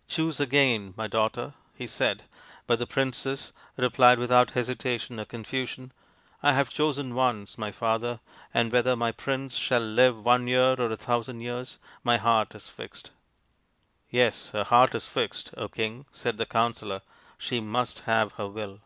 " Choose again, my daughter," he said, but the princess replied without hesitation or confusion, " I have chosen once, my father, and whether my prince shall live one year or a thousand years, my heart is fixed." " Yes, her heart is fixed, King," said the counsellor, " she must have her will."